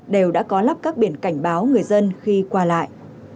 đều đã có lắp các biển cảnh báo người dân khi qua lại